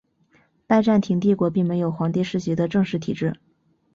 拜占庭帝国并没有皇帝世袭的正式体制。